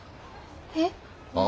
えっ。